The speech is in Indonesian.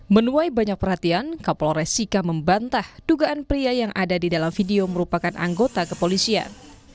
menuai banyak perhatian kapolres sika membantah dugaan pria yang ada di dalam video merupakan anggota kepolisian